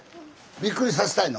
びっくりさせたいの？